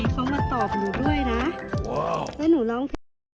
พี่ฮายเขามาตอบหนูด้วยนะว้าวแล้วหนูลอง